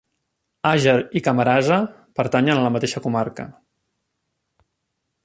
Àger i Camarasa pertanyen a la mateixa comarca.